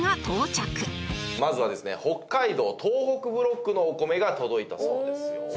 まずはですね北海道東北ブロックのお米が届いたそうですよ。